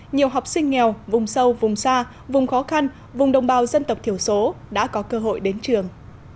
nhiều học sinh nghèo vùng sâu vùng xa vùng khó khăn vùng đồng bào dân tộc thiểu số đã có cơ hội đến trường